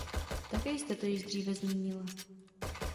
Také jste to již dříve zmínila.